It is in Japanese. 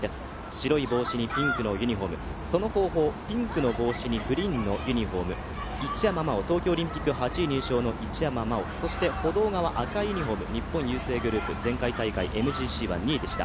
白い帽子にピンクのユニフォーム、その後方、ピンクの帽子にグリーンのユニフォーム東京オリンピック８位入賞の一山麻緒、そして歩道側、赤いユニフォーム、日本郵政グループ、前回大会、ＭＧＣは２位でした。